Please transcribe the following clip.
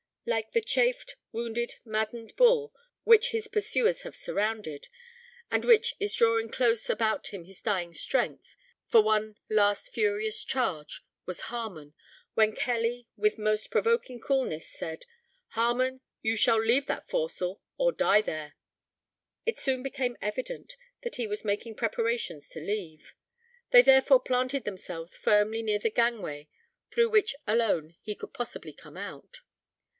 Like the chafed, wounded, maddened bull, which his pursuers have surrounded, and which is drawing close about him his dying strength, for one last furious charge, was Harmon, when Kelly, with most provoking coolness, said, "Harmon, you shall leave that forecastle, or die there." It soon became evident that he was making preparations to leave: they therefore planted themselves firmly near the gang way through which alone he could possibly come out.